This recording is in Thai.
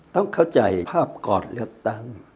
ต้องเข้าใจภาพก่อนเลือกตั้ง